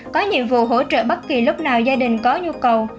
có nhiệm vụ hỗ trợ bất kỳ lúc nào gia đình có nhu cầu